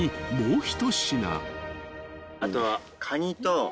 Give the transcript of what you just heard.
あとは。